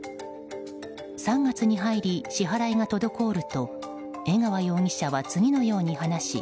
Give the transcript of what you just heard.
３月に入り、支払いが滞ると江川容疑者は次のように話し